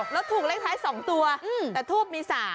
แล้วถูกเลขท้าย๒ตัวแต่ทูปมี๓